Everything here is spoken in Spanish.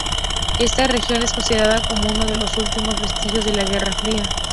Esta región es considerada como uno de los últimos vestigios de la Guerra Fría.